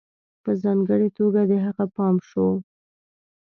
په ځانگړي توگه د هغه پام شو